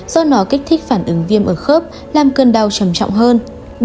do nó kích thích phản ứng viêm ở khớp làm cơn đau trầm trọng hơn